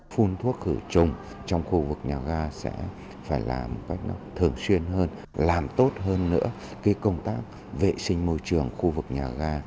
phun thuốc khử trùng trong khu vực nhà ga sẽ phải làm một cách thường xuyên hơn làm tốt hơn nữa công tác vệ sinh môi trường khu vực nhà ga